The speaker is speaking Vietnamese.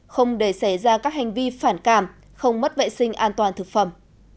không để xảy ra các hành vi phản cảm không mất vệ sinh an toàn thực phẩm